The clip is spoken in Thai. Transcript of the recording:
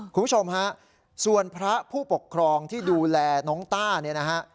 คุณผู้ชมฮะส่วนพระผู้ปกครองที่ดูแลน้องต้าเนี่ยนะฮะ